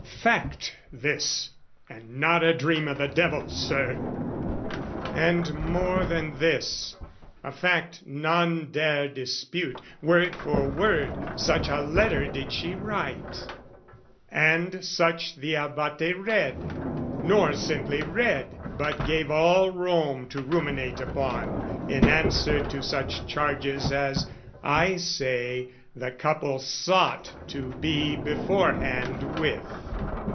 Fact this, and not a dream o' the devil, Sir! And more than this, a fact none dare dispute, Word for word, such a letter did she write. And such the Abate read, nor simply read But gave all Rome to ruminate upon, In answer to such charges as, I say, The couple sought to be beforehand with.